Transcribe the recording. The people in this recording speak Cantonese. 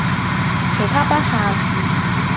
其他不限